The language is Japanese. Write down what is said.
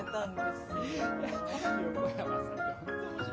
横山さんて本当面白いよね。